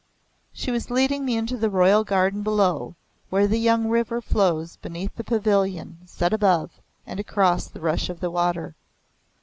She was leading me into the royal garden below, where the young river flows beneath the pavilion set above and across the rush of the water.